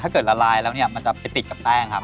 กดลงไปครับ